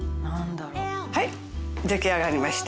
はい出来上がりました。